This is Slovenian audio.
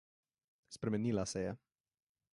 Spremenila se je.